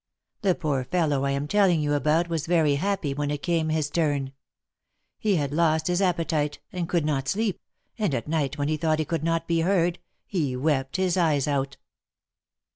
The poor fellow I am telling you about was very happy when it came his turn — he had lost his THE MARKETS OP PARIS. 113 appetite, and could not sleep, and at night when he thought he could not be heard, he wept his eyes out."